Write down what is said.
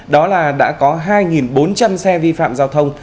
đó là đã có hai bốn trăm linh xe vi phạm giao thông